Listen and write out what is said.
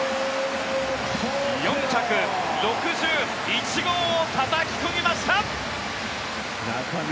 ４６１号をたたき込みました！